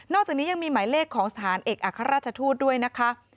จากนี้ยังมีหมายเลขของสถานเอกอัครราชทูตด้วยนะคะ